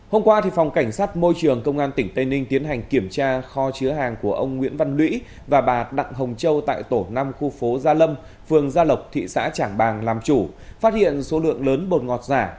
hôm qua phòng cảnh sát môi trường công an tỉnh tây ninh tiến hành kiểm tra kho chứa hàng của ông nguyễn văn lũy và bà đặng hồng châu tại tổ năm khu phố gia lâm phường gia lộc thị xã trảng bàng làm chủ phát hiện số lượng lớn bột ngọt giả